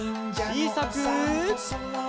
ちいさく。